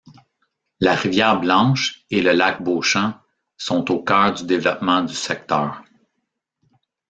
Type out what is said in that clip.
La rivière Blanche et le lac Beauchamp sont au cœur du développement du secteur.